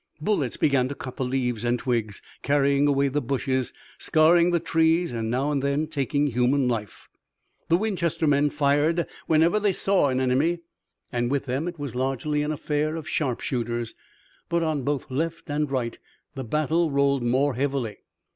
Bullets began to cut the leaves and twigs, carrying away the bushes, scarring the trees and now and then taking human life. The Winchester men fired whenever they saw an enemy, and with them it was largely an affair of sharpshooters, but on both left and right the battle rolled more heavily.